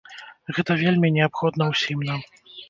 Гэта вельмі неабходна ўсім нам.